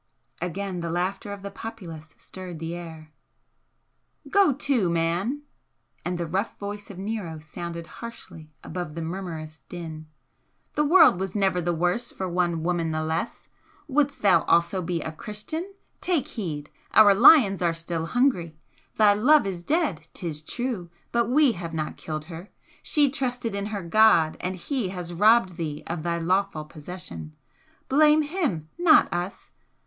Again the laughter of the populace stirred the air. "Go to, man!" and the rough voice of Nero sounded harshly above the murmurous din "The world was never the worse for one woman the less! Wouldst thou also be a Christian? Take heed! Our lions are still hungry! Thy love is dead, 'tis true, but WE have not killed her! She trusted in her God, and He has robbed thee of thy lawful possession. Blame Him, not us!